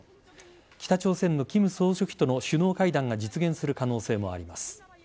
北朝鮮の金総書記との首脳会談が実現する可能性もあります。